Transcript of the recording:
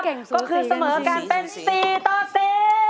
ก็คือเสมอกันเป็นสี่ต่อสิ